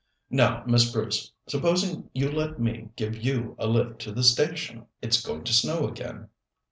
Now, Miss Bruce, supposing you let me give you a lift to the station? It's going to snow again."